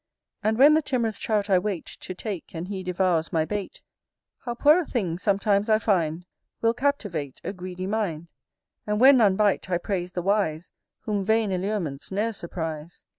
And when the timorous Trout I wait To take, and he devours my bait, How poor a thing, sometimes I find, Will captivate a greedy mind: And when none bite, I praise the wise Whom vain allurements ne'er surprise.